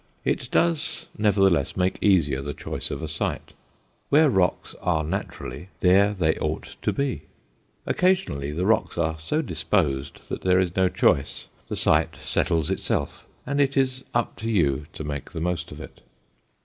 It does, nevertheless, make easier the choice of a site; where rocks are naturally, there they ought to be. Occasionally the rocks are so disposed that there is no choice; the site settles itself and it is up to you to make the most of it.